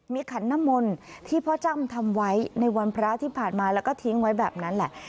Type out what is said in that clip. มีขันน้ำมนต์ที่พ่อจ้ำทำไว้ในวันพระที่ผ่านมาแล้วก็ทิ้งไว้แบบนั้นแหละ